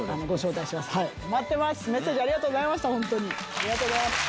ありがとうございます。